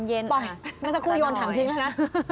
ปล่อยมันจะคู่โยนถังทิ้งแล้วนะ